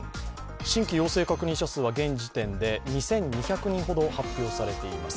新規陽性確認者数は現時点で２２００人ほど発表されています。